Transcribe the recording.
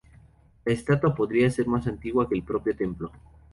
La estatua podría ser más antigua que el propio templo.